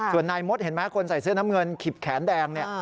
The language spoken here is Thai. ส่วนนายมดเห็นไหมคนใส่เสื้อน้ำเงินขิบแขนแดงเนี่ย